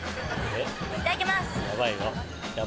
いただきます！